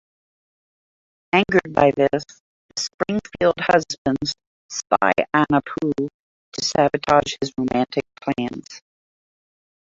Angered by this, the Springfield husbands spy on Apu to sabotage his romantic plans.